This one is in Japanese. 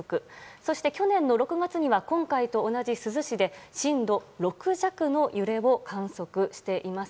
そして、去年の６月には今回と同じ珠洲市で震度６弱の揺れを観測しています。